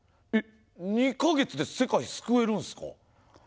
２か月で世界救えるんすか？